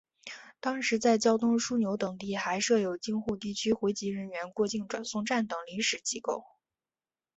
当时在交通枢纽等地还设有京沪地区回籍人员过境转送站等临时机构。